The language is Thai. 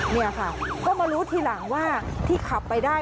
นี่ค่ะก็มารู้ทีหลังว่าที่ขับไปได้